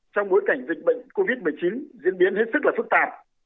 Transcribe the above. trong bối cảnh dịch bệnh covid một mươi chín diễn biến hết sức là phức tạp